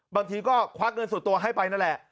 บางทีก็ควักเงินส่วนตัวให้ไปนั่นแหละ